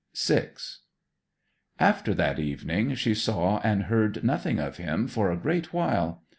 VI After that evening she saw and heard nothing of him for a great while.